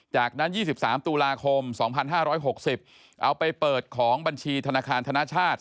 จากนั้น๒๓ตุลาคม๒๕๖๐เอาไปเปิดของบัญชีธนาคารธนชาติ